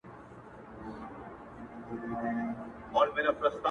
• څخه چي څه ووايم څنگه درته ووايم چي.